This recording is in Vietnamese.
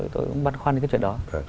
tôi cũng băn khoăn đến cái chuyện đó